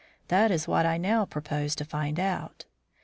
That is what I now proposed to find out.